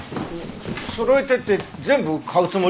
「そろえて」って全部買うつもり？